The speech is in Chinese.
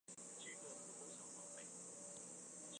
赖斯为位在美国堪萨斯州克劳德县的非建制地区。